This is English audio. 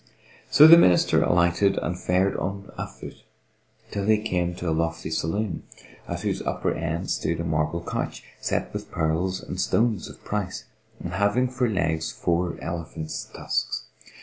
So the Minister alighted and fared on a foot till he came to a lofty saloon, at whose upper end stood a marble couch, set with pearls and stones of price, and having for legs four elephant's tusks.